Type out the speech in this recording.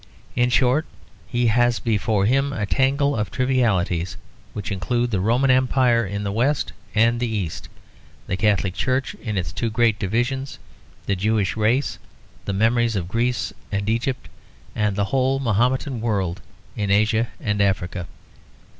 In short, he has before him a tangle of trivialities, which include the Roman Empire in the West and in the East, the Catholic Church in its two great divisions, the Jewish race, the memories of Greece and Egypt, and the whole Mahometan world in Asia and Africa.